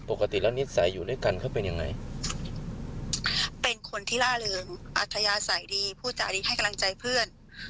ปกติแล้วนิสัยอยู่ด้วยกันเขาเป็นยังไงเป็นคนที่ล่าเริงอัธยาศัยดีพูดจาดีให้กำลังใจเพื่อน